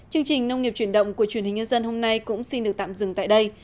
chương trình nông nghiệp chuyển động của truyền hình nhân dân hôm nay cũng xin được tạm dừng tại đây